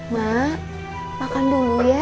ma makan dulu ya